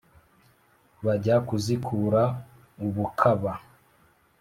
Bajya kuzikura ubukaba!